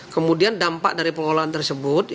kemudian dampak dari pengelolaan tersebut